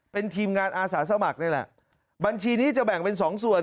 เป็นทีมงานอาสาสมัครนี่แหละบัญชีนี้จะแบ่งเป็นสองส่วน